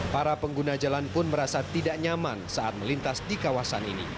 para pengguna jalan pun merasa tidak nyaman saat melintas di kawasan ini